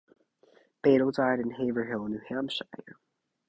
Bedel died in Haverhill, New Hampshire.